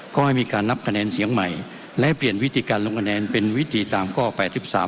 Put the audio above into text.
ก็ให้มีการนับคะแนนเสียงใหม่และเปลี่ยนวิธีการลงคะแนนเป็นวิธีตามข้อแปดสิบสาม